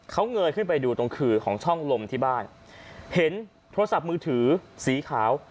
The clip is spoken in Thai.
เขาเงยขึ้นไปดูตรงขื่อของช่องลมที่บ้านเห็นโทรศัพท์มือถือสีขาว